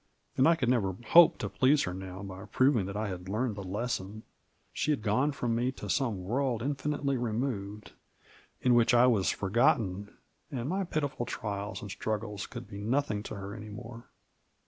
And I could never hope to please her now by proving that I had learned the lesson ; she had gone from me to some world infi nitely removed, in which I was forgotten, and my pitiful trials and struggles could be nothing to her any more